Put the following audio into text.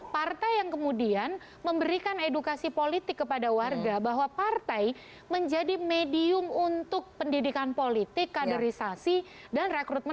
partai yang kemudian memberikan edukasi politik kepada warga bahwa partai menjadi medium untuk pendidikan politik kaderisasi dan rekrutmen